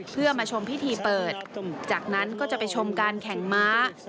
เพื่อมาชมพิธีเปิดจากนั้นก็จะไปชมการแข่งม้า